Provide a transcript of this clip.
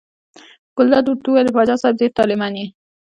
ګلداد ورته وویل: پاچا صاحب ډېر طالع من یې.